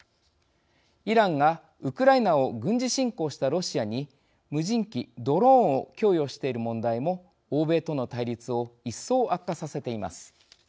イランがウクライナを軍事侵攻したロシアに無人機、ドローンを供与している問題も欧米との対立を一層悪化させています。